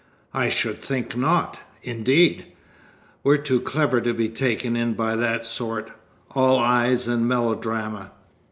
"I should think not, indeed! We're too clever to be taken in by that sort, all eyes and melodrama.